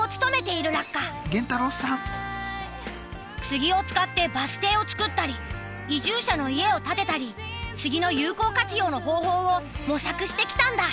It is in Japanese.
杉を使ってバス停を作ったり移住者の家を建てたり杉の有効活用の方法を模索してきたんだ。